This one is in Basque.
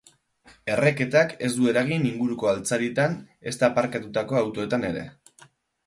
Erreketak ez du eragin inguruko altzaritan ezta aparkatutako autoetan ere.